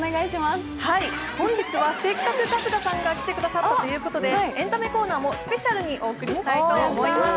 本日はせっかく春日さんが来てくださったということで、エンタメコーナーもスペシャルにお送りしたいと思います。